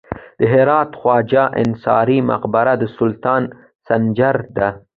د هرات خواجه انصاري مقبره د سلطان سنجر ده